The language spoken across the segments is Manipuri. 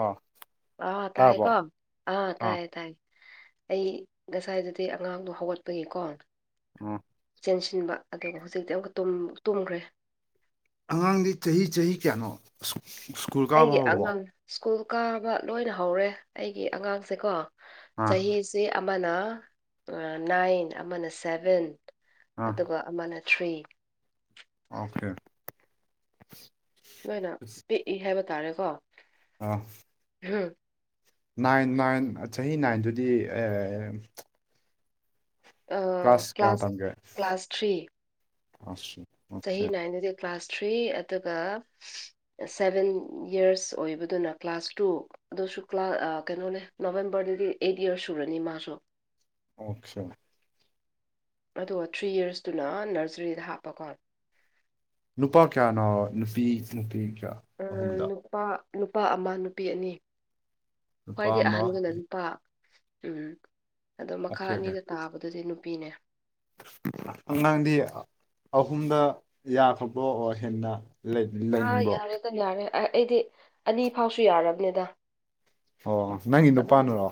ꯑꯥ ꯑ ꯇꯥꯔꯕꯣ ꯇꯥꯏꯌꯦꯀꯣ ꯑꯥ ꯇꯥꯏꯌꯦ ꯇꯥꯏꯌꯦ ꯑꯩ ꯉꯁꯥꯏꯗꯗꯤ ꯑꯉꯥꯡꯗꯣ ꯍꯧꯒꯠꯄꯒꯤꯀꯣ ꯑꯣ ꯆꯦꯟꯁꯤꯟꯕ ꯑꯗꯨꯒ ꯍꯧꯖꯤꯛꯇꯤ ꯑꯃꯨꯛꯀ ꯇꯨꯝ ꯇꯨꯝꯈ꯭ꯔꯦ ꯑꯉꯥꯡꯗꯤ ꯆꯍꯤ ꯆꯍꯤ ꯀꯌꯥꯅꯣ ꯁꯨ ꯁꯨ ꯑꯩꯒꯤ ꯑꯉꯥꯡ ꯁ꯭ꯀꯨꯜ ꯀꯥꯕ ꯂꯣꯏꯅ ꯍꯧꯔꯦ ꯑꯩꯒꯤ ꯑꯉꯥꯡꯁꯦꯀꯣ ꯑꯥ ꯆꯍꯤꯁꯤ ꯑꯃꯅ ꯅꯥꯏꯟ ꯑꯃꯅ ꯁꯚꯦꯟ ꯑꯥ ꯑꯗꯨꯒ ꯑꯃꯅ ꯊ꯭ꯔꯤ ꯑꯣꯈꯦ ꯅꯣꯏꯅ ꯄꯤꯛꯏ ꯍꯥꯏꯕ ꯇꯥꯔꯦꯀꯣ ꯑꯥ ꯎꯝ ꯅꯥꯏꯟ ꯅꯥꯏꯟ ꯆꯍꯤ ꯅꯥꯏꯟꯗꯨꯗꯤ ꯑꯦ ꯑ, ꯀ꯭ꯂꯥꯁ ꯀꯌꯥ ꯇꯝꯒꯦ ꯀ꯭ꯂꯥꯁ ꯊ꯭ꯔꯤ [inaudible] ꯆꯍꯤ ꯅꯥꯏꯟꯗꯨꯗꯤ ꯀ꯭ꯂꯥꯁ ꯊ꯭ꯔꯤ ꯑꯗꯨꯒ ꯁꯚꯦꯟ ꯏꯌꯔꯁ ꯑꯣꯏꯕꯗꯨꯅ ꯀ꯭ꯂꯥꯁ ꯇꯨ ꯑꯗꯨꯁꯨ ꯀ꯭ꯂꯥꯁ ꯀꯩꯅꯣꯅꯦ ꯅꯕꯦꯝꯕꯔꯗꯗꯤ ꯑꯩꯠ ꯏꯌꯔꯁ ꯁꯨꯔꯅꯤ ꯃꯥꯁꯨ ꯑꯣꯈꯦ ꯑꯗꯣ ꯊ꯭ꯔꯤ ꯏꯌꯔꯁꯇꯨꯅ ꯑꯥ ꯅꯔꯖꯔꯤꯗ ꯍꯥꯞꯄꯀꯣ ꯅꯨꯄꯥ ꯀꯌꯥꯅꯣ ꯅꯨꯄꯤ ꯅꯨꯄꯤ ꯀꯌꯥ ꯎꯝ, ꯑꯍꯨꯝꯗ ꯅꯨꯄꯥ ꯅꯨꯄꯥ ꯑꯃ ꯅꯨꯄꯤ ꯑꯅꯤ ꯅꯨꯄꯥ ꯈ꯭ꯋꯥꯏꯗꯒꯤ ꯑꯃ ꯑꯍꯟꯗꯨꯅ ꯅꯨꯄꯥ ꯎꯝ ꯑꯗꯣ ꯃꯈꯥ ꯑꯣꯀꯦ ꯑꯣꯀꯦ ꯑꯅꯤꯗꯣ ꯇꯥꯕꯗꯨꯗꯤ ꯅꯨꯄꯤꯅꯦ ꯑꯉꯥꯡꯗꯤ ꯑꯍꯨꯝꯗ ꯌꯥꯈ꯭ꯔꯕꯣ ꯑꯣꯔ ꯍꯦꯟꯅ ꯂꯩ ꯑꯥ ꯌꯥꯔꯦꯗ ꯌꯥꯔꯦ ꯑꯩꯗꯤ ꯑꯅꯤ ꯐꯥꯎꯁꯨ ꯌꯥꯔꯕꯅꯤꯗ ꯑꯣ ꯅꯪꯒꯤ ꯅꯨꯄꯥꯥꯅꯔꯣ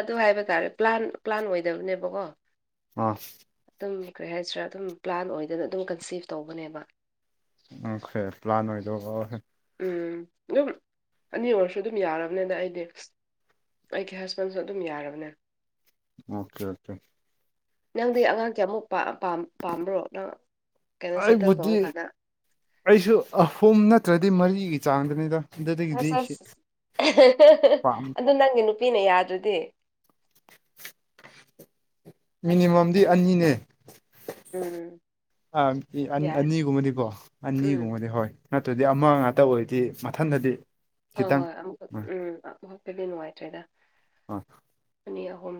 ꯑꯗꯨ ꯍꯥꯏꯕ ꯇꯥꯔꯦ ꯄ꯭ꯂꯥꯟ ꯄ꯭ꯂꯥꯟ ꯑꯣꯏꯗꯕꯅꯦꯕꯀꯣ ꯑꯁ ꯑꯗꯨꯝ ꯀꯔꯤ ꯍꯥꯏꯁꯤꯔꯥ ꯑꯗꯨꯝ ꯄ꯭ꯂꯥꯟ ꯑꯣꯏꯗꯅ ꯑꯗꯨꯝ ꯀꯟꯁꯤꯞ ꯇꯧꯕꯅꯦꯕ ꯑꯣꯈꯦ ꯄ꯭ꯂꯥꯟ ꯑꯣꯏꯗꯕ ꯑꯣ ꯎꯝ ꯑꯗꯨꯝ ꯑꯅꯤ ꯑꯣꯏꯔꯁꯨ ꯑꯗꯨꯝ ꯌꯥꯔꯕꯅꯤꯗ ꯑꯩꯗꯤ ꯑꯩꯒꯤ ꯍꯁꯕꯦꯟꯁꯨ ꯑꯗꯨꯝ ꯌꯥꯔꯕꯅꯦ ꯑꯣꯀꯦ ꯑꯣꯀꯦ ꯅꯪꯗꯤ ꯑꯉꯥꯡ ꯀꯌꯥꯃꯨꯛ ꯄꯥꯝ ꯄꯥꯝ ꯄꯥꯝꯕ꯭ꯔꯣ ꯅꯪ ꯀꯩꯅꯣ ꯁꯦꯇꯜ ꯑꯩꯕꯨꯗꯤ ꯇꯧꯔꯀꯥꯟꯗ ꯑꯩꯁꯨ ꯑꯍꯨꯝ ꯅꯠꯇ꯭ꯔꯗꯤ ꯃꯔꯤꯒꯤ ꯆꯥꯡꯗꯅꯤꯗ ꯑꯁ ꯑꯗꯨꯗꯒꯤꯗꯤ ꯑꯁ ꯄꯥꯝ ꯑꯗꯨ ꯅꯪꯒꯤ ꯅꯨꯄꯤꯅ ꯌꯥꯗ꯭ꯔꯗꯤ ꯃꯤꯅꯤꯃꯝꯗꯤ ꯑꯅꯤꯅꯦ ꯎꯝ ꯑ ꯌꯥꯏ ꯑꯅꯤꯒꯨꯝꯕꯗꯤꯀꯣ ꯎꯝ ꯑꯅꯤꯒꯨꯝꯕꯗꯤ ꯍꯣꯏ ꯅꯠꯇ꯭ꯔꯗꯤ ꯑꯃ ꯉꯥꯛꯇ ꯑꯣꯏꯗꯤ ꯃꯊꯟꯗꯗꯤ ꯍꯣꯏ ꯈꯤꯇꯪ ꯍꯣꯏ ꯑꯃ ꯍꯣꯏ ꯎꯝ ꯑꯃꯈꯛꯇꯨꯗꯤ ꯅꯨꯡꯉꯥꯏꯇ꯭ꯔꯦꯗ ꯑꯥ ꯑꯅꯤ ꯑꯍꯨꯝ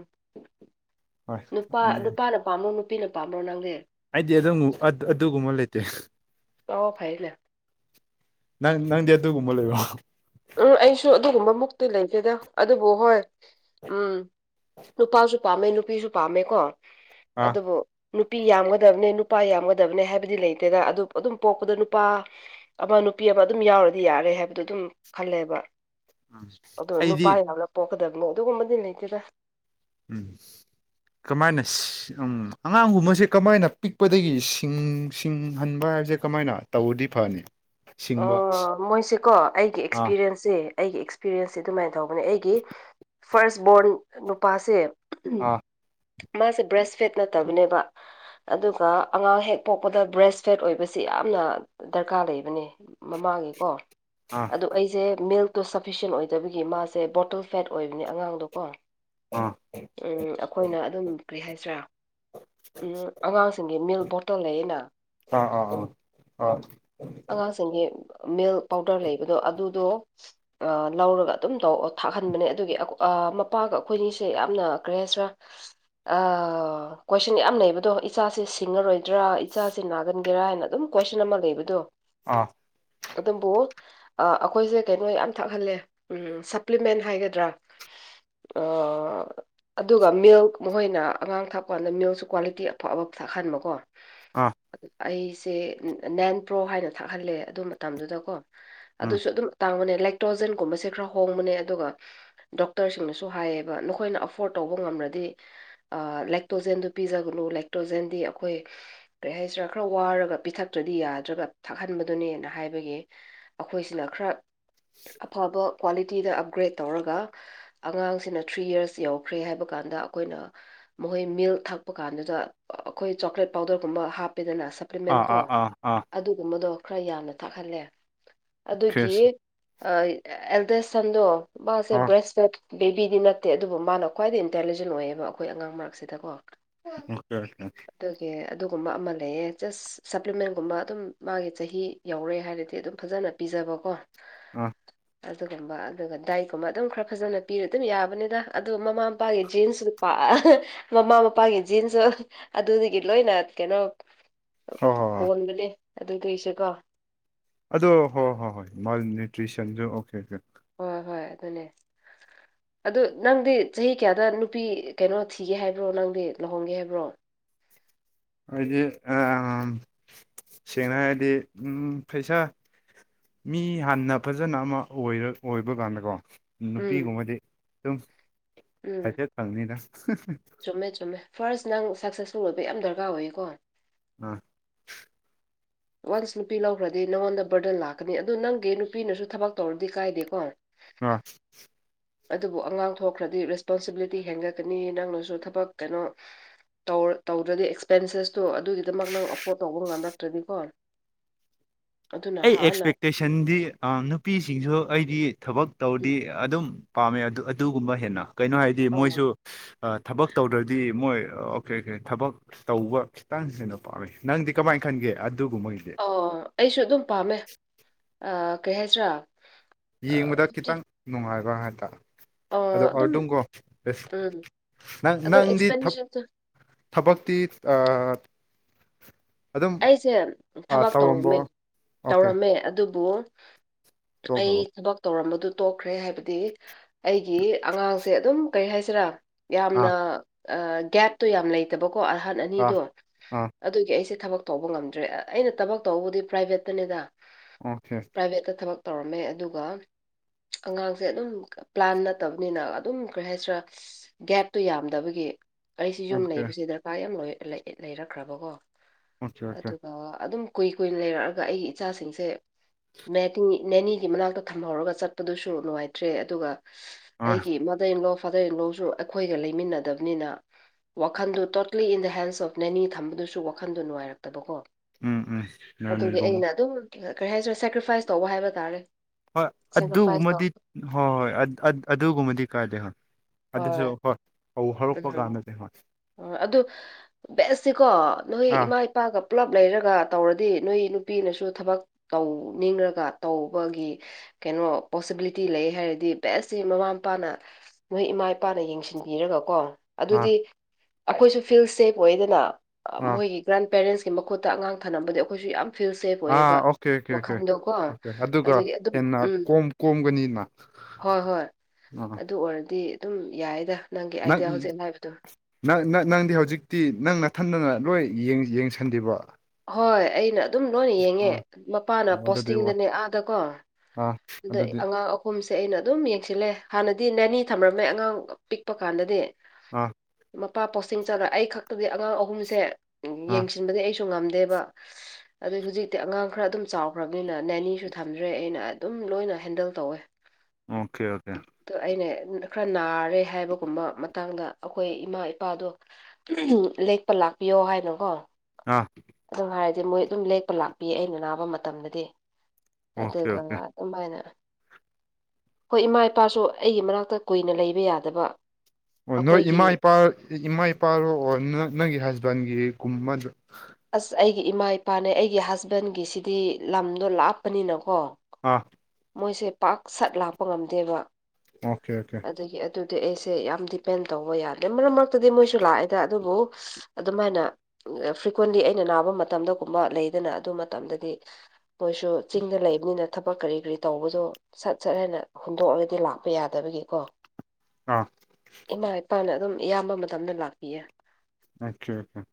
ꯍꯣꯏ ꯅꯨꯄꯥ ꯎꯝ ꯅꯨꯄꯥꯅ ꯄꯥꯝꯕ꯭ꯔꯣ ꯅꯨꯄꯤꯅ ꯄꯥꯝꯕ꯭ꯔꯣ ꯅꯪꯗꯤ ꯑꯩꯗꯤ ꯑꯗꯨꯝ ꯑꯗꯨꯒꯨꯝꯕ ꯂꯩꯇꯦ ꯑꯣ ꯐꯩꯅꯦ ꯅꯪ ꯅꯪꯗꯤ ꯑꯗꯨꯒꯨꯝꯕ ꯂꯩꯕ꯭ꯔꯣ ꯎꯝ ꯑꯩꯁꯨ ꯑꯗꯨꯒꯨꯝꯕ ꯃꯨꯛꯇꯤ ꯂꯩꯇꯦꯗ ꯑꯗꯨꯕꯨ ꯍꯣꯏ ꯎꯝ ꯅꯨꯄꯥꯁꯨ ꯅꯨꯄꯥꯁꯨ ꯄꯥꯝꯃꯦ ꯅꯨꯄꯤꯁꯨ ꯄꯥꯝꯃꯦꯀꯣ ꯑꯥ ꯑꯗꯨꯕꯨ ꯅꯨꯄꯤ ꯌꯥꯝꯒꯗꯕꯅꯦ ꯅꯨꯄꯥ ꯌꯥꯝꯒꯗꯕꯅꯦ ꯍꯥꯏꯕꯗꯤ ꯂꯩꯇꯦꯗ ꯑꯗꯨ ꯑꯗꯨꯝ ꯄꯣꯛꯄꯗ ꯅꯨꯄꯥ ꯑꯃ ꯅꯨꯄꯤ ꯑꯃ ꯑꯗꯨꯝ ꯌꯥꯎꯔꯗꯤ ꯌꯥꯔꯦ ꯍꯥꯏꯕꯗꯣ ꯑꯗꯨꯝ ꯈꯜꯂꯦꯕ ꯑꯗꯣ ꯑꯩꯗꯤ ꯅꯨꯄꯥ ꯌꯥꯝꯅ ꯄꯣꯛꯀꯗꯕꯅꯤ ꯑꯗꯨꯒꯨꯝꯕꯗꯤ ꯂꯩꯇꯦꯗ ꯎꯝ ꯀꯃꯥꯏꯅ ꯎꯝ ꯑꯉꯥꯡꯒꯨꯝꯕꯁꯦ ꯀꯃꯥꯏꯅ ꯄꯤꯛꯄꯗꯒꯤ ꯁꯤꯡ ꯁꯤꯡꯍꯟꯕ ꯍꯥꯏꯕꯁꯦ ꯀꯃꯥꯏꯅ ꯇꯧꯔꯗꯤ ꯐꯅꯤ ꯑ ꯁꯤꯡꯕ ꯃꯣꯏꯁꯦꯀꯣ ꯑꯩꯒꯤ ꯑꯥ ꯑꯦꯛꯁꯄꯤꯔꯤꯌꯦꯟꯁ ꯖꯦ ꯑꯩꯒꯤ ꯑꯦꯛꯁꯄꯤꯔꯤꯟꯁꯁꯦ ꯑꯗꯨꯃꯥꯏꯅ ꯇꯧꯕꯅꯦ ꯑꯩꯒꯤ ꯐꯥꯔꯁ ꯕꯣꯔꯟ ꯅꯨꯄꯥꯁꯦ ꯎꯝ ꯑꯥ ꯃꯥꯁꯦ ꯕ꯭ꯔꯦꯁ ꯐꯦꯠ ꯅꯠꯇꯕꯅꯦꯕ ꯑꯗꯨꯒ ꯑꯉꯥꯡ ꯍꯦꯛ ꯄꯣꯛꯄꯗ ꯕ꯭ꯔꯦꯁ ꯐꯦꯠ ꯑꯣꯏꯕꯁꯤ ꯌꯥꯝꯅ ꯗꯔꯀꯥꯔ ꯂꯩꯕꯅꯦ ꯃꯃꯥꯒꯤꯀꯣ ꯑꯥ ꯑꯗꯨ ꯑꯩꯁꯦ ꯃꯤꯜꯛ ꯇꯣ ꯁꯐꯤꯁꯦꯟ ꯑꯣꯏꯗꯕꯒꯤ ꯃꯥꯁꯦ ꯕꯣꯇꯜ ꯐꯦꯠ ꯑꯣꯏꯕꯅꯦ ꯑꯉꯥꯡꯗꯣꯀꯣ ꯑꯥ ꯎꯝ ꯑꯩꯈꯣꯏꯅ ꯑꯗꯨꯝ ꯀꯔꯤ ꯍꯥꯏꯁꯤꯔꯥ ꯎꯝ ꯑꯉꯥꯡꯁꯤꯡꯒꯤ ꯃꯤꯜꯛ ꯕꯣꯇꯜ ꯂꯩꯌꯦꯅ ꯑꯥ ꯑꯥ ꯑ ꯍꯣꯏ ꯁꯤꯡꯒꯤ ꯃꯤꯜꯛ ꯄꯥꯎꯗꯔ ꯂꯩꯕꯗꯣ ꯑꯗꯨꯗꯣ ꯂꯧꯔꯒ ꯑꯗꯨꯝ ꯇꯧ ꯊꯥꯛꯍꯟꯕꯅꯦ ꯑꯗꯨꯒꯤ ꯃꯄꯥꯒ ꯑꯩꯈꯣꯏꯅꯤꯁꯦ ꯌꯥꯝꯅ ꯀꯔꯤ ꯍꯥꯏꯁꯦꯔꯥ ꯑ ꯀꯣꯏꯁꯟ ꯌꯥꯝ ꯂꯩꯕꯗꯣ ꯏꯆꯥꯁꯤ ꯁꯤꯡꯉꯔꯣꯏ ꯇ꯭ꯔꯥ ꯏꯆꯥꯁꯤ ꯅꯥꯒꯟꯒꯦꯔꯥ ꯍꯥꯏꯅ ꯑꯗꯨꯝ ꯀꯣꯏꯁꯟ ꯑꯃ ꯂꯩꯕꯗꯣ ꯑꯥ ꯑꯗꯨꯕꯨ ꯑ ꯑꯩꯈꯣꯏꯁꯦ ꯀꯩꯅꯣ ꯌꯥꯝ ꯊꯛꯍꯜꯂꯦ ꯎꯝ ꯁꯄ꯭ꯂꯤꯃꯦꯟ ꯍꯥꯏꯒꯗ꯭ꯔꯥ ꯑ [inaudible] ꯑꯗꯨꯒ ꯃꯤꯜꯛ ꯃꯈꯣꯏꯅ ꯑꯉꯥꯡ ꯊꯥꯛꯄ ꯀꯥꯟꯗ ꯃꯤꯜꯛꯁꯨ ꯀ꯭ꯋꯥꯂꯤꯇꯤ ꯑꯐ ꯑꯐꯕ ꯊꯛꯍꯟꯕꯀꯣ ꯑꯥ ꯑꯩꯁꯦ ꯅꯦꯟ ꯄ꯭ꯔꯣ ꯍꯥꯏꯅ ꯊꯛꯍꯜꯂꯦ ꯑꯗꯨ ꯃꯇꯝꯗꯨꯗꯀꯣ ꯎꯝ ꯑꯗꯨꯁꯨ ꯑꯗꯨꯝ ꯇꯥꯡꯕꯅꯦ ꯂꯦꯛꯇ꯭ꯔꯣꯖꯟꯒꯨꯝꯕꯁꯦ ꯈꯔ ꯍꯣꯡꯕꯅꯦ ꯑꯗꯨꯒ ꯗꯣꯛꯇꯔꯁꯤꯡꯅꯁꯨ ꯍꯥꯏꯌꯦꯕ ꯅꯈꯣꯏꯅ ꯑꯐꯣꯔꯠ ꯇꯧꯕ ꯉꯝꯔꯗꯤ ꯑ ꯂꯦꯛꯇ꯭ꯔꯣꯖꯦꯟꯗꯨ ꯄꯤꯖꯒꯅꯨ ꯂꯦꯛꯇ꯭ꯔꯣꯖꯦꯟꯗꯤ ꯑꯩꯈꯣꯏ ꯀꯔꯤ ꯍꯥꯏꯁꯤꯔꯥ ꯈꯔ ꯋꯥꯔꯒ ꯄꯤꯊꯛꯇ꯭ꯔꯗꯤ ꯌꯥꯗ꯭ꯔꯒ ꯊꯛꯍꯟꯕꯗꯨꯅꯦꯅ ꯍꯥꯏꯕꯒꯤ ꯑꯩꯈꯣꯏꯁꯤꯅ ꯈꯔ ꯑꯐꯕ ꯀ꯭ꯋꯥꯂꯤꯇꯤꯗ ꯑꯞꯒ꯭ꯔꯦꯗ ꯇꯧꯔꯒ ꯑꯉꯥꯡꯁꯤꯅ ꯊ꯭ꯔꯤ ꯌꯥꯔꯁ ꯌꯧꯈ꯭ꯔꯦ ꯍꯥꯏꯕ ꯀꯥꯟꯗ ꯑꯩꯈꯣꯏꯅ ꯃꯈꯣꯏ ꯃꯤꯜꯛ ꯊꯛꯄ ꯀꯥꯟꯗꯨꯗ ꯑꯩꯈꯣꯏ ꯆꯣꯀ꯭ꯂꯦꯠ ꯄꯥꯎꯗꯔꯒꯨꯝꯕ ꯍꯥꯞꯄꯦꯗꯅ ꯁꯞ ꯑꯥ ꯑꯥ ꯑꯥ ꯑꯥ ꯒꯨꯝꯕꯗꯣ ꯈꯔ ꯌꯥꯝꯅ ꯊꯛꯍꯜꯂꯦ ꯑꯗꯨꯒꯤ ꯈꯦꯁ ꯑ ꯑꯦꯜꯗꯦꯁꯇ ꯁꯟꯗꯣ ꯃꯥꯁꯦ ꯑꯥ ꯕ꯭ꯔꯦꯁꯠ ꯐꯦꯠ ꯕꯦꯕꯤꯗꯤ ꯅꯠꯇꯦ ꯑꯗꯨꯕꯨ ꯃꯥꯅ ꯈ꯭ꯋꯥꯏꯗꯩ ꯏꯟꯇꯦꯂꯤꯖꯦꯟ ꯑꯣꯏꯌꯦꯕ ꯑꯩꯈꯣꯏ ꯑꯉꯥꯡ ꯃꯔꯛꯁꯤꯗꯀꯣ ꯑꯣꯀꯦ ꯑꯣꯀꯦ ꯑꯗꯨꯒꯤ ꯑꯗꯨꯒꯨꯝꯕ ꯑꯃ ꯂꯩꯑꯦ ꯖꯁ ꯁꯄ꯭ꯂꯤꯃꯦꯟꯒꯨꯝꯕ ꯑꯗꯨꯝ ꯃꯥꯒꯤ ꯆꯍꯤ ꯌꯧꯔꯦ ꯍꯥꯏꯔꯗꯤ ꯑꯗꯨꯝ ꯐꯖꯅ ꯄꯤꯖꯕꯀꯣ ꯑꯥ ꯑꯗꯨ ꯒꯨꯝꯕ ꯑꯗꯨꯒ ꯗꯥꯏꯠ ꯀꯨꯝꯕ ꯑꯗꯨꯝ ꯈꯔ ꯐꯖꯅ ꯄꯤꯔ ꯑꯗꯨꯝ ꯌꯥꯕꯅꯤꯗ ꯑꯗꯨ ꯃꯃꯥ ꯃꯄꯥꯒꯤ ꯖꯤꯟꯁꯁꯨ ꯄꯥꯛ ꯃꯃꯥ ꯃꯄꯥꯒꯤ ꯖꯤꯟꯁꯁꯨ ꯑꯗꯨꯗꯒꯤ ꯂꯣꯏꯅ ꯀꯩꯅꯣ ꯍꯣꯏ ꯍꯣꯏ ꯍꯣꯏ ꯄꯣꯟꯕꯅꯦ ꯑꯗꯨꯗꯩꯁꯨ ꯀꯣ ꯑꯗꯣ ꯍꯣꯏ ꯍꯣꯏ ꯍꯣꯏ ꯃꯥꯜꯅ꯭ꯌꯨꯇ꯭ꯔꯤꯁꯟꯁꯨ ꯑꯣꯀꯦ ꯑꯣꯀꯦ ꯍꯣꯏ ꯍꯣꯏ ꯑꯗꯨꯅꯦ ꯑꯗꯨ ꯅꯪꯗꯤ ꯆꯍꯤ ꯀꯌꯥꯗ ꯅꯨꯄꯤ ꯀꯩꯅꯣ ꯊꯤꯒꯦ ꯍꯥꯏꯕ꯭ꯔꯣ ꯅꯪꯗꯤ ꯂꯧꯍꯣꯡꯒꯦ ꯍꯥꯏꯕ꯭ꯔꯣ ꯍꯥꯏꯗꯤ ꯑ ꯁꯦꯡꯅ ꯍꯥꯏꯗꯤ ꯎꯝ ꯄꯩꯁꯥ ꯃꯤ ꯍꯥꯟꯅ ꯐꯖꯅ ꯑꯃ ꯑꯣꯏꯔ ꯑꯣꯏꯕ ꯀꯥꯟꯗꯀꯣ ꯎꯝ ꯅꯨꯄꯤꯒꯨꯝꯕꯗꯤ ꯁꯨꯝ ꯎꯝ ꯍꯥꯏꯐꯦꯠ ꯐꯪꯅꯤꯗ ꯆꯨꯝꯃꯦ ꯆꯨꯝꯃꯦ ꯐꯥꯔꯁ ꯅꯪ ꯁꯛꯁꯦꯁꯐꯨꯜ ꯑꯣꯏꯕ ꯌꯥꯝ ꯗꯔꯀꯥꯔ ꯑꯣꯏꯌꯦꯀꯣ ꯑꯥ꯫ ꯋꯥꯟꯁ ꯅꯨꯄꯤ ꯂꯧꯈ꯭ꯔꯗꯤ ꯅꯪꯉꯣꯟꯗ ꯕꯔꯗꯟ ꯂꯥꯛꯀꯅꯤ ꯑꯗꯨ ꯅꯪꯒꯤ ꯅꯨꯄꯤꯅꯁꯨ ꯊꯕꯛ ꯇꯧꯔꯗꯤ ꯀꯥꯏꯗꯦꯀꯣ꯫ ꯑꯥ꯫ ꯑꯗꯨꯕꯨ ꯑꯉꯥꯡ ꯊꯣꯛꯈ꯭ꯔꯗꯤ ꯔꯦꯁꯄꯣꯟꯁꯤꯕꯤꯂꯤꯇꯤ ꯍꯦꯟꯒꯠꯀꯅꯤ ꯅꯪꯅꯁꯨ ꯊꯕꯛ ꯀꯩꯅꯣ ꯇꯧ ꯇꯧꯗ꯭ꯔꯗꯤ ꯑꯦꯛꯁꯄꯦꯟꯁꯦꯁꯇꯣ ꯑꯗꯨꯒꯤꯗꯃꯛ ꯅꯪ ꯑꯐꯣꯔꯠ ꯇꯧꯕ ꯉꯝꯂꯛꯇ꯭ꯔꯗꯤꯀꯣ ꯑꯗꯨꯅ ꯑꯩ ꯍꯥꯟꯅ ꯑꯦꯛꯁꯄꯦꯛꯇꯦꯁꯟꯗꯤ ꯑ ꯅꯨꯄꯤꯁꯤꯡꯁꯨ ꯑꯩꯗꯤ ꯊꯕꯛ ꯇꯧꯔꯗꯤ ꯑꯗꯨꯝ ꯄꯥꯝꯃꯦ ꯑꯗꯨ ꯑꯗꯨꯒꯨꯝꯕ ꯍꯦꯟꯅ ꯀꯩꯅꯣ ꯍꯥꯏꯗꯤ ꯑꯧ ꯃꯣꯏꯁꯨ ꯊꯕꯛ ꯇꯧꯗ꯭ꯔꯗꯤ ꯃꯣꯏ ꯑꯣꯀꯦ ꯑꯣꯀꯦ ꯊꯕꯛ ꯇꯧꯕ ꯈꯤꯇꯪ ꯍꯦꯟꯅ ꯄꯥꯝꯃꯤ ꯅꯪꯗꯤ ꯀꯃꯥꯏꯅ ꯈꯟꯒꯦ ꯑꯗꯨꯒꯨꯝꯕꯒꯤꯗꯤ꯫ ꯑꯣ ꯑꯩꯁꯨ ꯑꯗꯨꯝ ꯄꯥꯝꯃꯦ ꯑ ꯀꯩ ꯍꯥꯏꯁꯤꯔꯥ꯫ ꯑꯥ ꯌꯦꯡꯕꯗ ꯐꯤꯐꯇꯤ ꯈꯤꯇꯪ ꯅꯨꯡꯉꯥꯏꯕ ꯍꯥꯏꯇꯥꯔꯦ꯫ ꯑꯥ ꯑꯗꯣ ꯑꯗꯨꯝ ꯑꯗꯝꯀꯣ ꯎꯝ ꯅꯪ ꯑꯗꯨꯝ ꯅꯪꯗꯤ ꯊꯕꯛ ꯑꯦꯛꯁꯄꯦꯟꯗꯤꯆꯔꯁꯦ ꯊꯕꯛꯇꯤ ꯑꯥ ꯑꯗꯨꯝ ꯑꯩꯁꯦ ꯑꯥ, ꯊꯕꯛ ꯇꯧꯔꯝꯕ꯭ꯔꯣ ꯇꯧꯔꯝꯃꯦ ꯑꯣꯀꯦ ꯇꯧꯔꯝꯃꯦ ꯑꯗꯨꯕꯨ ꯑꯩ ꯇꯧꯈ꯭ꯔꯕꯣ ꯊꯕꯛ ꯇꯧꯔꯝꯕꯗꯨ ꯇꯣꯛꯈ꯭ꯔꯦ ꯍꯥꯏꯕꯗꯤ ꯑꯩꯒꯤ ꯑꯉꯥꯡꯁꯦ ꯑꯗꯨꯝ ꯀꯔꯤ ꯍꯥꯏꯁꯤꯔꯥ ꯌꯥꯝꯅ ꯑꯥ ꯒꯦꯞꯇꯣ ꯌꯥꯝ ꯂꯩꯇꯕꯀꯣ ꯑꯍꯟ ꯑꯥ ꯑꯅꯤꯗꯣ꯫ ꯑꯥ ꯑꯗꯨꯒꯤ ꯑꯩꯁꯦ ꯊꯕꯛ ꯇꯧꯕ ꯉꯝꯗ꯭ꯔꯦ ꯑꯩꯅ ꯊꯕꯛ ꯇꯧꯕꯗꯤ ꯄ꯭ꯔꯥꯏꯚꯦꯠꯇꯅꯤꯗ꯫ ꯑꯣꯀꯦ ꯄ꯭ꯔꯥꯏꯚꯦꯠꯇ ꯊꯕꯛ ꯇꯧꯔꯝꯃꯦ ꯑꯗꯨꯒ ꯑꯉꯥꯡꯁꯦ ꯑꯗꯨꯝ ꯄ꯭ꯂꯥꯟ ꯅꯠꯇꯕꯅꯤꯅ ꯑꯗꯨꯝ ꯀꯔꯤ ꯍꯥꯏꯁꯤꯔꯥ ꯒꯦꯞꯇꯨ ꯌꯥꯝꯗꯕꯒꯤ ꯑꯩꯁꯤ ꯌꯨꯝ ꯑꯣꯀꯦ ꯂꯩꯕꯁꯤ ꯗꯔꯀꯥꯔ ꯌꯥꯝ ꯂꯣꯏ ꯂꯩꯔꯛꯈ꯭ꯔꯕꯀꯣ꯫ ꯑꯣꯀꯦ ꯑꯣꯀꯦ ꯑꯗꯨꯒ ꯑꯗꯨꯝ ꯀꯨꯏ ꯀꯨꯏꯅ ꯂꯩꯔꯛꯑꯒ ꯑꯩꯒꯤ ꯏꯆꯥꯁꯤꯡꯁꯦ [unintelligible] ꯅꯦꯅꯤꯒꯤ ꯃꯅꯥꯛꯇ ꯊꯝꯍꯧꯔꯒ ꯆꯠꯄꯗꯨꯁꯨ ꯅꯨꯡꯉꯥꯏꯇ꯭ꯔꯦ ꯑꯗꯨꯒ ꯑꯥ ꯑꯩꯒꯤ ꯃꯥꯗꯔ ꯏꯟ ꯂꯣ ꯐꯥꯗꯔ ꯏꯟ ꯂꯣꯁꯨ ꯑꯩꯈꯣꯏꯒ ꯂꯩꯃꯤꯟꯅꯗꯕꯅꯤꯅ ꯋꯥꯈꯟꯗꯣ ꯇꯣꯇꯂꯤ ꯏꯟ ꯗ ꯍꯦꯟꯁ ꯑꯣꯐ ꯅꯦꯅꯤ ꯊꯝꯕꯗꯨꯁꯨ ꯋꯥꯈꯟꯗꯣ ꯅꯨꯡꯉꯥꯏꯔꯛꯇꯕꯀꯣ꯫ ꯎꯝ ꯎꯝ ꯑꯗꯨꯒꯤ ꯅꯅꯤꯒꯨꯝ ꯑꯩꯅ ꯑꯗꯨꯝ ꯀꯔꯤ ꯍꯥꯏꯁꯤꯔꯦ ꯁꯦꯀ꯭ꯔꯤꯐꯥꯏꯁ ꯇꯧꯕ ꯍꯥꯏꯕ ꯇꯥꯔꯦ꯫ ꯍꯣꯏ ꯁꯦꯀ꯭ꯔꯤꯐꯥꯏꯁ ꯇꯧ ꯑꯗꯨꯒꯨꯝꯃꯗꯤ ꯍꯣꯏ ꯍꯣꯏ ꯑꯗꯨꯒꯨꯝꯕꯗꯤ ꯀꯥꯏꯗꯦ ꯍꯣꯏ꯫ ꯑꯗꯨꯁꯨ ꯍꯣꯏ ꯍꯧ ꯍꯧꯔꯛꯄ ꯀꯥꯟꯗꯗꯤ ꯍꯣꯏ꯫ ꯍꯣꯏ ꯑꯗꯨ ꯕꯦꯁꯇꯤꯀꯣ ꯅꯣꯏ ꯑꯥ ꯏꯃꯥꯏ ꯏꯄꯥꯒ ꯄꯨꯜꯂꯞ ꯂꯩꯔꯒ ꯇꯧꯔꯗꯤ ꯅꯣꯏ ꯅꯨꯄꯤꯅꯁꯨ ꯊꯕꯛ ꯇꯧꯅꯤꯡꯔꯒ ꯇꯧꯕꯒꯤ ꯀꯩꯅꯣ ꯄꯣꯁꯤꯕꯤꯂꯤꯇꯤ ꯂꯩ ꯍꯥꯏꯔꯗꯤ ꯕꯦꯁꯁꯤ ꯃꯃꯥ ꯃꯄꯥꯅ ꯅꯣꯏ ꯏꯃꯥ ꯏꯄꯥꯅ ꯌꯦꯡꯁꯤꯟꯕꯤꯔꯒꯀꯣ ꯑꯥ ꯑꯗꯨꯗꯤ ꯑꯩꯈꯣꯏꯁꯨ ꯐꯤꯜ ꯁꯦꯐ ꯑꯣꯏꯗꯅ ꯑꯥ ꯃꯣꯏꯒꯤ ꯒ꯭ꯔꯥꯟ ꯄꯦꯔꯦꯟꯁꯀꯤ ꯃꯈꯨꯠꯇ ꯑꯉꯥꯡ ꯊꯅꯕꯗꯤ ꯑꯩꯈꯣꯏꯁꯨ ꯌꯥꯝ ꯐꯤꯜ ꯁꯦꯐ ꯑꯣꯏꯌꯦꯕ ꯑꯥ ꯑꯣꯀꯦ ꯑꯣꯀꯦ ꯑꯣꯀꯦ ꯋꯥꯈꯜꯗꯣꯀꯣ ꯑꯣꯀꯦ ꯑꯗꯨꯒ ꯑꯗꯨꯗꯤ ꯑꯗꯨꯝ ꯍꯦꯟꯅ ꯎꯝ ꯀꯣꯝ ꯀꯣꯝꯒꯅꯤꯅ꯫ ꯍꯣꯏ ꯍꯣꯏ ꯑꯥ ꯑꯗꯨ ꯑꯣꯏꯔꯗꯤ ꯑꯗꯨꯝ ꯌꯥꯏꯗ꯫ ꯅꯪꯒꯤ ꯅꯪ ꯑꯥꯏꯗꯤꯌꯥ ꯍꯧꯖꯤꯛ ꯍꯥꯏꯕꯗꯣ ꯅꯪ ꯅꯪ ꯅꯪꯗꯤ ꯍꯧꯖꯤꯛꯇꯤ ꯅꯪ ꯅꯊꯟꯗꯅ ꯂꯣꯏ ꯌꯦꯡ ꯌꯦꯡꯁꯟꯂꯤꯕꯣ꯫ ꯍꯣꯏ ꯑꯩꯅ ꯑꯗꯨꯝ ꯂꯣꯏꯅ ꯌꯦꯡꯉꯦ ꯃꯄꯥꯅ ꯑꯣ ꯑꯗꯨꯗꯤ ꯋꯥ ꯄꯣꯁꯇꯤꯡꯗꯅꯦ ꯑꯥꯗꯀꯣ ꯑꯥ ꯑꯗꯨꯗꯤ ꯥꯑꯍꯨꯝꯁꯦ ꯑꯩꯅ ꯑꯗꯨꯝ ꯌꯦꯡꯁꯤꯜꯂꯦ ꯍꯥꯟꯅꯗꯤ ꯅꯅꯦ ꯊꯝꯔꯝꯃꯦ ꯑꯉꯥꯡ ꯄꯤꯛꯄ ꯀꯥꯟꯗꯗꯤ꯫ ꯑꯥ ꯃꯄꯥ ꯄꯣꯁꯇꯤꯡ ꯆꯠꯂ ꯑꯩ ꯈꯛꯇꯗꯤ ꯑꯉꯥꯡ ꯑꯍꯨꯝꯁꯦ ꯑꯥ ꯌꯦꯡꯁꯟꯕꯗꯤ ꯑꯩꯁꯨ ꯁꯨ ꯉꯝꯗꯦꯕ꯫ ꯑꯗꯨꯗꯩ ꯍꯧꯖꯤꯛꯇꯤ ꯑꯉꯥꯡ ꯈꯔ ꯑꯗꯨꯝ ꯆꯥꯎꯈ꯭ꯔꯕꯅꯤꯅ ꯅꯅꯦꯁꯨ ꯊꯝꯗ꯭ꯔꯦ ꯑꯩꯅ ꯑꯗꯨꯝ ꯂꯣꯏꯅ ꯍꯦꯟꯗꯜ ꯇꯧꯋꯦ꯫ ꯑꯣꯀꯦ ꯑꯣꯀꯦ ꯑꯗꯣ ꯑꯩꯅ ꯈꯔ ꯅꯥꯔꯦ ꯍꯥꯏꯕꯒꯨꯝꯕ ꯃꯇꯥꯡꯗ ꯑꯩꯈꯣꯏ ꯏꯃꯥ ꯏꯄꯥꯗꯣ ꯂꯦꯛꯄ ꯂꯥꯛꯄꯤꯌꯣ ꯍꯥꯏꯅꯀꯣ ꯑꯥ ꯑꯗꯨ ꯍꯥꯏꯔꯗꯤ ꯃꯣꯏ ꯑꯗꯨꯝ ꯂꯦꯛꯄ ꯂꯥꯛꯄꯤꯌꯦ ꯑꯩꯅ ꯅꯥꯕ ꯃꯇꯝꯗꯗꯤ ꯑꯣꯀꯦ ꯑꯗꯨꯒ ꯑꯣꯀꯦ ꯑꯗꯨꯃꯥꯏꯅ ꯑꯩꯈꯣꯏ ꯏꯃꯥ ꯏꯄꯥꯁꯨ ꯑꯩꯒꯤ ꯃꯅꯥꯛꯇ ꯀꯨꯏꯅ ꯂꯩꯕ ꯌꯥꯗꯕ ꯑꯣ ꯅꯣꯏ ꯑꯩꯈꯣꯏꯒꯤ ꯏꯃꯥ ꯏꯄꯥ ꯏꯃꯥ ꯏꯄꯥꯔꯣ ꯑꯣ ꯅꯪꯒꯤ ꯍꯁꯕꯦꯟꯒꯤꯒꯨꯝꯕꯗ ꯑꯁ ꯑꯩꯒꯤ ꯏꯃꯥ ꯏꯄꯥꯅꯦ ꯑꯩꯒꯤ ꯍꯁꯕꯦꯟꯒꯤꯁꯤꯗꯤ ꯂꯝꯗꯣ ꯂꯥꯞꯄꯅꯤꯅꯀꯣ ꯑꯥ ꯃꯣꯏꯁꯦ ꯄꯥꯛ ꯁꯠ ꯂꯥꯛꯄ ꯉꯝꯗꯦꯕ ꯑꯣꯀꯦ ꯑꯣꯀꯦ ꯑꯗꯒꯤ ꯑꯗꯨꯗꯤ ꯑꯩꯁꯦ ꯌꯥꯝ ꯗꯤꯄꯦꯟ ꯇꯧꯕ ꯌꯥꯗꯦ ꯃꯔꯛ ꯃꯔꯛꯇꯗꯤ ꯃꯣꯏꯁꯨ ꯂꯥꯛꯑꯦꯗ ꯑꯗꯨꯕꯨ ꯑꯗꯨꯃꯥꯏꯅ ꯐ꯭ꯔꯤꯀ꯭ꯋꯦꯟꯂꯤ ꯑꯩꯅ ꯅꯥꯕ ꯃꯇꯝꯗꯒꯨꯝꯕ ꯂꯩꯗꯅ ꯑꯗꯨ ꯃꯇꯝꯗꯗꯤ ꯃꯣꯏꯁꯨ ꯆꯤꯡꯗ ꯂꯩꯕꯅꯤꯅ ꯊꯕꯛ ꯀꯔꯤ ꯀꯔꯤ ꯇꯧꯕꯗꯣ ꯁꯠ ꯁꯠ ꯍꯥꯏꯅ ꯍꯨꯟꯗꯣꯛꯑꯒꯗꯤ ꯂꯥꯛꯄ ꯌꯥꯗꯕꯒꯤꯀꯣ ꯑꯥ ꯏꯃꯥ ꯏꯄꯥꯅ ꯑꯗꯨꯝ ꯑꯌꯥꯝꯕ ꯃꯇꯝꯗ ꯂꯥꯛꯄꯤꯌꯦ ꯑꯆꯥ ꯑꯆꯥ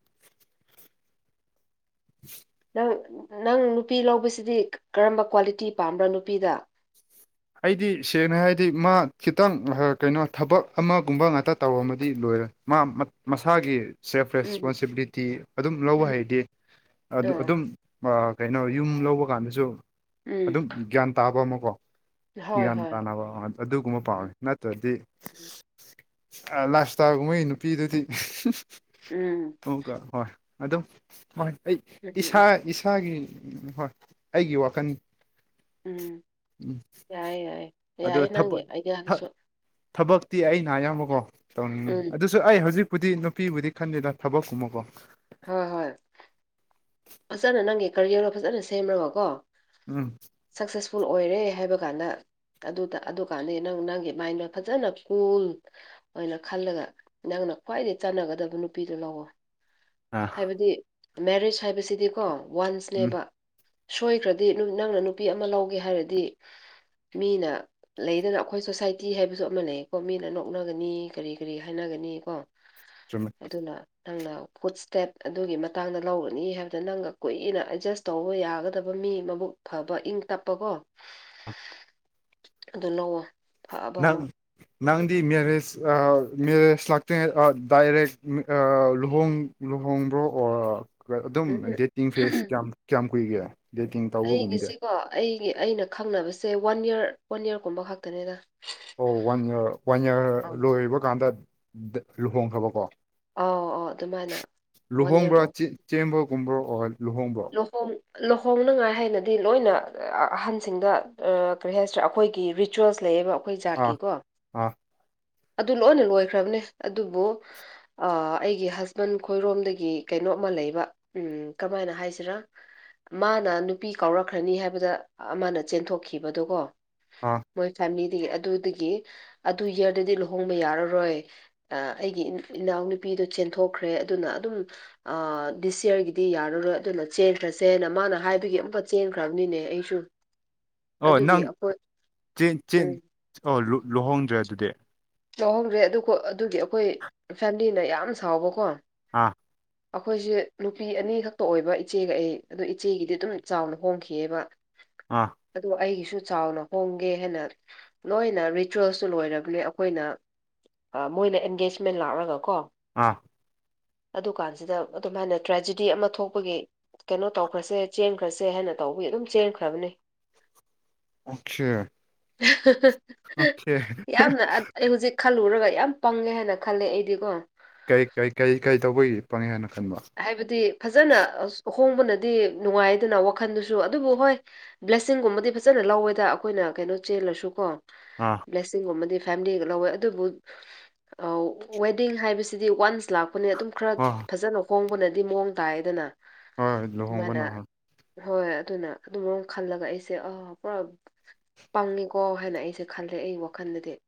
[unintelligible] ꯅꯪ ꯅꯪ ꯅꯨꯄꯤ ꯂꯧꯕꯁꯤꯗꯤ ꯀꯔꯝꯕ ꯀ꯭ꯋꯥꯂꯤꯇꯤ ꯄꯥꯝꯕ꯭ꯔ ꯅꯨꯄꯤꯗ ꯑꯩꯗꯤ ꯁꯦꯡꯅ ꯍꯥꯏꯗꯤ ꯃꯥ ꯈꯤꯇꯪ ꯀꯩꯅꯣ ꯊꯕꯛ ꯑꯃꯒꯨꯝꯕ ꯉꯥꯛꯇ ꯇꯧꯔꯝꯃꯗꯤ ꯂꯣꯏꯔꯦ ꯃꯥ ꯃꯁꯥꯒꯤ ꯁꯦꯜꯐ ꯎꯝ ꯔꯦꯁꯄꯣꯟꯁꯤꯕꯤꯂꯤꯇꯤ ꯑꯗꯨꯝ ꯂꯧꯕ ꯎꯝ ꯍꯩꯔꯗꯤ ꯑꯥ ꯑꯗꯨꯝ ꯑꯥ ꯀꯩꯅꯣ ꯌꯨꯝ ꯂꯧꯕ ꯀꯥꯟꯗꯁꯨ ꯎꯝ ꯑꯗꯨꯝ ꯒ꯭ꯌꯥꯟ ꯇꯥꯕ ꯑꯃꯀꯣ ꯍꯣꯏ ꯒꯌ꯭ꯥꯟ ꯍꯣꯏ ꯇꯥꯅꯕ ꯑꯗꯨꯒꯨꯝꯕ ꯄꯥꯝꯃꯦ ꯅꯠ ꯅꯠꯇꯔꯗꯤ ꯎꯝ ꯂꯥꯏꯞ ꯏꯁꯇꯥꯏꯟꯒꯨꯝꯕꯒꯤ ꯅꯨꯄꯤꯗꯨꯗꯤ ꯎꯝ ꯑꯃꯨꯛꯀ ꯍꯣꯏ ꯑꯗꯨꯝ ꯍꯣꯏ ꯑꯩ ꯏꯁꯥ ꯎꯝ ꯏꯁꯥꯒꯤ ꯍꯣꯏ ꯑꯩꯒꯤ ꯋꯥꯈꯟꯅꯤ ꯎꯝ ꯌꯥꯏ ꯌꯥꯏꯌꯦ ꯑꯗꯨ ꯌꯥꯏꯌꯦ ꯅꯪꯒꯤ ꯊꯕꯛ ꯊ ꯑꯥꯏꯗꯤꯌꯥꯗꯨꯁꯨ ꯊꯕꯛꯇꯤ ꯑꯩꯅ ꯑꯌꯥꯝꯕꯀꯣ ꯎꯝ ꯇꯧꯅꯤꯡꯉꯤ ꯑꯗꯨ ꯁꯨ ꯑꯩ ꯍꯧꯖꯤꯛꯄꯨꯗꯤ ꯅꯨꯄꯤꯕꯨꯗꯤ ꯈꯟꯗꯦꯗ ꯊꯕꯛꯀꯨꯝꯕꯀꯣ ꯍꯣꯏ ꯍꯣꯏ ꯐꯖꯅ ꯅꯪꯒꯤ ꯀꯦꯔꯤꯌꯔ ꯐꯖꯅ ꯁꯦꯝꯕꯀꯣ ꯎꯝ ꯁꯛꯁꯦꯁꯐꯨꯜ ꯑꯣꯏꯔꯦ ꯍꯥꯏꯕ ꯀꯥꯟꯗ ꯑꯗꯨ ꯑꯗꯨ ꯀꯥꯟꯗꯗꯤ ꯅꯪ ꯅꯪꯒꯤ ꯃꯥꯏꯟꯗꯣ ꯐꯖꯅ ꯀꯨꯜ ꯑꯣꯏꯅ ꯈꯜꯂꯒ ꯅꯪꯅ ꯈ꯭ꯋꯥꯏꯗꯒꯤ ꯆꯥꯟꯅꯒꯗꯕ ꯅꯨꯄꯤꯗꯨ ꯂꯧꯑꯣ ꯑ ꯍꯥꯏꯕꯗꯤ ꯃꯦꯔꯤꯖ ꯍꯥꯏꯕꯁꯤꯗꯤꯀꯣ ꯎꯝ ꯋꯥꯟꯁꯅꯦꯕ ꯁꯣꯏꯈ꯭ꯔꯗꯤ ꯅꯪꯅ ꯅꯨꯄꯤ ꯑꯃ ꯂꯧꯒꯦ ꯍꯥꯏꯔꯗꯤ ꯃꯤꯅ ꯂꯩꯗꯅ ꯑꯩꯈꯣꯏ ꯁꯣꯁꯥꯏꯇꯤ ꯍꯥꯏꯕꯁꯨ ꯑꯃ ꯂꯩꯀꯣ ꯃꯤꯅ ꯅꯣꯛꯅꯒꯅꯤ ꯀꯔꯤ ꯀꯔꯤ ꯍꯥꯏꯅꯒꯅꯤ ꯀꯣ ꯆꯨꯝꯃꯦ ꯑꯗꯨꯅ ꯅꯪꯅ [unintelligible] ꯁ꯭ꯇꯦꯞ ꯑꯗꯨꯒꯤ ꯃꯇꯥꯡꯗ ꯂꯧꯔꯅꯤ ꯍꯥꯏꯕꯗ ꯅꯪꯒ ꯀꯨꯏꯅ ꯑꯦꯗꯖꯁ ꯇꯧꯕ ꯌꯥꯒꯗꯕ ꯃꯤ ꯃꯕꯨꯛ ꯐꯕ ꯏꯪ ꯇꯞꯄꯀꯣ [unintelligible] ꯑꯗꯨ ꯅꯧꯋꯥ ꯅꯪ ꯅꯪꯗꯤ ꯃꯦꯔꯦꯖ ꯑꯥ ꯃꯦꯔꯦꯖ ꯂꯥꯛꯇꯦ ꯗꯥꯏꯔꯦꯛ ꯑꯥ ꯂꯨꯍꯣꯡ ꯂꯨꯍꯣꯡꯕ꯭ꯔꯣ ꯑꯣ ꯑꯗꯨꯝ ꯎꯝ ꯎꯝ ꯗꯦꯠꯇꯤꯡ ꯐꯦꯁ ꯀꯌꯥꯝ ꯀꯌꯥꯝ ꯀꯨꯏꯒꯦ ꯗꯦꯇꯤꯡ ꯇꯧꯕꯒꯨꯝꯗꯦ ꯑꯩꯒꯤꯁꯤꯀꯣ ꯑꯩ ꯑꯩꯅ ꯈꯪꯅꯕꯁꯦ ꯋꯥꯟ ꯌꯔ ꯋꯥꯟ ꯌꯔꯒꯨꯝꯕ ꯈꯛꯇꯅꯦꯗ ꯑꯣ ꯋꯥꯟ ꯏꯌꯥꯔ ꯋꯥꯟ ꯏꯌꯥꯔ ꯂꯣꯏꯕ ꯀꯥꯟꯗ ꯂꯨꯍꯣꯡꯈ꯭ꯔꯕꯀꯣ ꯑꯥꯎ ꯑꯥꯎ ꯑꯗꯨꯃꯥꯏꯅ ꯋꯥꯟ ꯌꯔ ꯂꯨꯍꯣꯡꯕ꯭ꯔꯣ ꯂꯣꯏ ꯆꯦꯝꯕꯒꯨꯝꯕ꯭ꯔꯣ ꯑꯣ ꯂꯨꯍꯣꯡꯕ꯭ꯔꯣ ꯂꯨꯍꯣꯡ ꯂꯨꯍꯣꯡꯅꯉꯥꯏ ꯍꯥꯏꯅꯗꯤ ꯂꯣꯏꯅ ꯑꯍꯟꯁꯤꯡꯗ ꯑꯥ ꯀꯔꯤ ꯍꯥꯏꯁꯤꯔ ꯑꯩꯈꯣꯏꯒꯤ ꯔꯤꯆꯨꯋꯦꯜꯁ ꯂꯩꯌꯦꯕ ꯑꯩꯈꯣꯏ ꯑꯥ ꯖꯥꯠꯀꯤꯀꯣ ꯑꯥ ꯑꯗꯨ ꯂꯣꯏꯅ ꯂꯣꯏꯈ꯭ꯔꯕꯅꯦ ꯑꯗꯨꯕꯨ ꯑꯥ ꯑꯩꯒꯤ ꯍꯁꯕꯦꯟ ꯈꯣꯏꯔꯣꯝꯗꯒꯤ ꯀꯩꯅꯣꯝꯃ ꯂꯩꯕ ꯎꯝ ꯀꯃꯥꯏꯅ ꯍꯥꯏꯁꯤ ꯁꯤꯔ ꯃꯥꯅ ꯅꯨꯄꯤ ꯀꯥꯎꯔꯛꯈ꯭ꯔꯅꯤ ꯍꯥꯏꯕꯗ ꯑꯃꯅ ꯆꯦꯟꯊꯣꯛꯈꯤꯕꯗꯨꯀꯣ ꯑꯥ ꯃꯣꯏ ꯐꯦꯃꯤꯂꯤꯗꯒꯤ ꯑꯗꯨꯗꯒꯤ ꯑꯗꯨ ꯏꯌꯔꯗꯗꯤ ꯂꯨꯍꯣꯡꯕ ꯌꯥꯔꯔꯣꯏ ꯑꯩꯒꯤ ꯏꯅꯥꯎꯅꯨꯄꯤꯗꯨ ꯆꯦꯟꯊꯣꯛꯈ꯭ꯔꯦ ꯑꯗꯨꯅ ꯑꯗꯨꯝ ꯑꯥ ꯗꯤꯁ ꯌꯥꯔꯒꯤꯗꯤ ꯌꯥꯔꯔꯣꯏ ꯑꯗꯨꯅ ꯆꯦꯟꯈ꯭ꯔꯁꯦꯅ ꯃꯥꯅ ꯍꯥꯏꯕꯒꯤ ꯑꯃꯨꯛꯀ ꯆꯦꯟꯈ꯭ꯔꯕꯅꯤꯅꯦ ꯑꯩꯁꯨ ꯑꯣ ꯑꯗꯨꯒꯤ ꯅꯪ ꯑꯩꯈꯣꯏ ꯆꯦꯟ ꯆꯦꯟ ꯎꯝ ꯑꯣ ꯂꯨꯍꯣꯡꯗ꯭ꯔꯦ ꯑꯗꯨꯗꯤ ꯂꯨꯍꯣꯡꯗ꯭ꯔꯦ ꯑꯗꯨ ꯑꯗꯨꯒꯤ ꯑꯩꯈꯣꯏ ꯐꯦꯃꯤꯂꯤꯅ ꯌꯥꯝ ꯁꯥꯎꯕꯀꯣ ꯑꯥ ꯑꯩꯈꯣꯏꯁꯦ ꯅꯨꯄꯤ ꯑꯅꯤ ꯈꯛꯇ ꯑꯣꯏꯕ ꯏꯆꯦꯒ ꯑꯩ ꯑꯗꯨ ꯏꯆꯦꯒꯤꯗꯤ ꯑꯗꯨꯝ ꯆꯥꯎꯅ ꯍꯣꯡꯈꯤꯑꯦꯕ ꯑꯥ ꯑꯗꯨ ꯑꯩꯒꯤꯁꯨ ꯆꯥꯎꯅ ꯍꯣꯡꯒꯦ ꯍꯥꯏꯅ ꯂꯣꯏꯅ ꯔꯤꯆꯨꯋꯦꯜꯁꯨ ꯂꯣꯏꯔꯕꯅꯦ ꯑꯩꯈꯣꯏꯅ ꯃꯣꯏꯅ ꯑꯦꯡꯒꯦꯖꯃꯦꯟ ꯂꯥꯛꯔꯒ ꯀꯣ ꯑꯥ ꯑꯗꯨ ꯀꯥꯟꯁꯤꯗ ꯑꯗꯨꯃꯥꯏꯅ ꯇ꯭ꯔꯦꯖꯤꯗꯤ ꯑꯃ ꯊꯣꯛꯄꯒꯤ ꯀꯩꯅꯣ ꯇꯧꯈ꯭ꯔꯁꯦ ꯆꯦꯟꯈ꯭ꯔꯁꯦ ꯍꯥꯏꯅ ꯇꯧꯕꯒꯤ ꯑꯗꯨꯝ ꯆꯦꯟꯈ꯭ꯔꯕꯅꯤ [inaudible] ꯑꯣꯀꯦ ꯌꯥꯝꯅ ꯑꯩ ꯍꯧꯖꯤꯛ ꯈꯜꯂꯨꯔꯒ ꯌꯥꯝ ꯄꯪꯉꯦ ꯍꯥꯏꯅ ꯈꯜꯂꯦ ꯑꯩꯗꯤꯀꯣ ꯀꯩ ꯀꯩ ꯀꯩ ꯀꯩ ꯇꯧꯕꯒꯤ ꯄꯪꯉꯦ ꯍꯥꯏꯅ ꯈꯟꯕ ꯍꯥꯏꯕꯗꯤ ꯐꯥꯖꯅ ꯍꯣꯡꯕꯅꯗꯤ ꯅꯨꯡꯉꯥꯏꯗꯅ ꯋꯥꯈꯟꯗꯨꯁꯨ ꯑꯗꯨꯕꯨ ꯍꯣꯏ ꯕ꯭ꯂꯦꯁꯤꯡꯒꯨꯝꯕꯗꯤ ꯐꯥꯖꯅ ꯂꯧꯋꯦꯗ ꯑꯩꯈꯣꯏꯅ ꯀꯩꯅꯣ ꯆꯦꯜꯂꯁꯨ ꯀꯣ ꯑꯥ ꯕ꯭ꯂꯦꯁꯤꯡꯒꯨꯝꯕꯗꯤ ꯐꯦꯃꯤꯂꯤꯒ ꯂꯧꯋꯦ ꯑꯗꯨꯕꯨ ꯑꯥ ꯋꯦꯗꯤꯡ ꯍꯥꯏꯕꯁꯤꯗꯤ ꯋꯥꯟꯁ ꯂꯥꯛ ꯄꯅꯤꯅ ꯑꯗꯨꯝ ꯈꯔ ꯑꯣ ꯐꯖꯅ ꯍꯣꯡꯕꯅꯗꯤ ꯃꯑꯣꯡ ꯇꯥꯏꯗꯅ ꯍꯣꯏ ꯑꯗꯨꯃꯥꯏꯅ ꯂꯨꯍꯣꯡꯕꯅ ꯍꯣꯏ ꯍꯣꯏ ꯑꯗꯨꯅ ꯑꯗꯨꯝ ꯈꯜꯂꯒ ꯑꯩꯁꯦ ꯑꯥ ꯄꯨꯔꯥ ꯄꯪꯉꯤꯀꯣ ꯍꯥꯏꯅ ꯑꯩꯁꯦ ꯈꯜꯂꯦ ꯑꯩ ꯋꯥꯈꯜꯗꯗꯤ